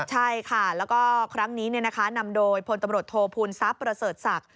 ใช่ค่ะแล้วก็ครั้งนี้นำโดยพลตำรวจโทษภูมิทรัพย์ประเสริฐศักดิ์